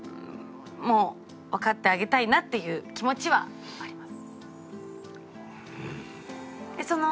もうわかってあげたいなっていう気持ちはあります。